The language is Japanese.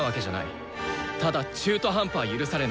ただ中途半端は許されない。